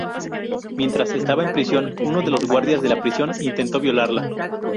Mientras estaba en prisión, uno de los guardias de la prisión intentó violarla.